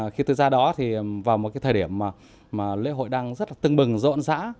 khi tôi ra đó vào một thời điểm lễ hội đang rất tưng bừng rộn rã